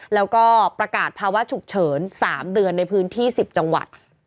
แล้วก็ประกาศภาวะฉุกเฉิน๓เดือนในพื้นที่๑๐จังหวัด